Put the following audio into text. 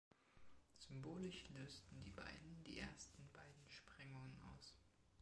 Symbolisch lösten die beiden die ersten beiden Sprengungen aus.